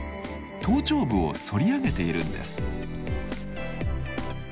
頭頂部をそり上げているんです。